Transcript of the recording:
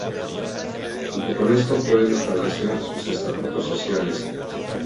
Junto con esto, pueden establecer sus estatutos sociales.